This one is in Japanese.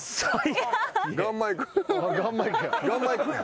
ガンマイクや。